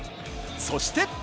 そして。